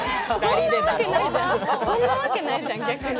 そんなわけないじゃん、逆に